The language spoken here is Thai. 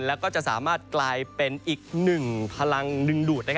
แล้วก็จะสามารถกลายเป็นอีกหนึ่งพลังดึงดูด